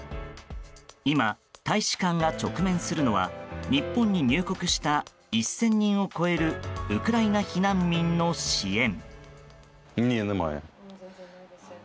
今、大使館が直面するのは日本に入国した１０００人を超えるウクライナ避難民の支援。